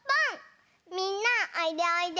みんなおいでおいで。